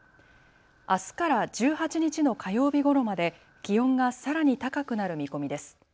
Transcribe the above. あすから１８日の火曜日ごろまで気温がさらに高くなる見込みです。